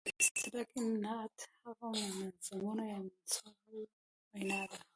په اصطلاح کې نعت هغه منظومه یا منثوره وینا ده.